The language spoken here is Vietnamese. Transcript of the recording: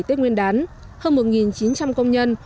tết nguyên đán hơn một chín trăm linh công nhân